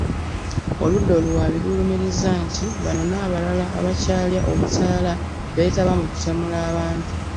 Oludda oluwaabi lulumiriza nti bano n'abalala abakyalya obutaala beetaba mu kutemula abantu.